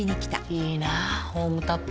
いいなホームタップ。